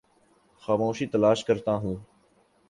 خاموشی تلاش کرتا ہوں